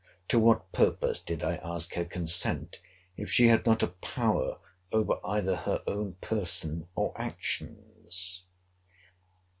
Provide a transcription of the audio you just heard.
To what purpose did I ask her consent, if she had not a power over either her own person or actions?